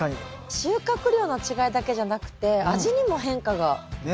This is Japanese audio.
収穫量の違いだけじゃなくて味にも変化が。